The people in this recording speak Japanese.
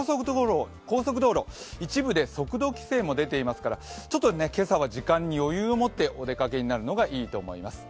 高速道路、一部で速度規制も出ていますからちょっと今朝は時間に余裕を持ってお出かけになるのがいいかと思います。